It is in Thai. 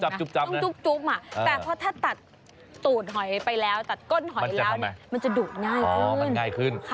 ต้องจุ๊บมาแต่เพราะถ้าตัดตูนหอยไปแล้วตัดก้นหอยแล้วมันจะดุง่ายขึ้น